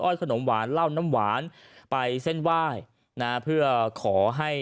ออยขนมหวานล่ะวงน้ำหวานไปเส้นว่ายน่ะเพื่อขอให้